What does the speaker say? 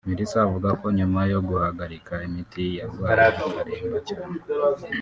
Melissa avuga ko nyuma yo guhagarika imiti yarwaye akaremba cyane